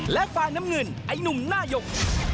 และฝ่ายน้ำเงินไอ้หนุ่มหน้ายก